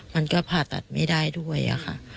มันก็ผ่าตัดไม่ได้ด้วยค่ะ